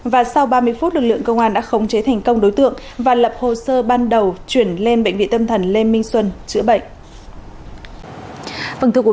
và sau ba mươi phút lực lượng công an đã khống chế thành công đối tượng và lập hồ sơ ban đầu chuyển lên bệnh viện tâm thần lê minh xuân chữa bệnh